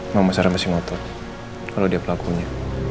mama sarah masih motot kalau dia pelakunya